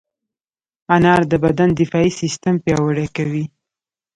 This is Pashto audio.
انار د بدن دفاعي سیستم پیاوړی کوي.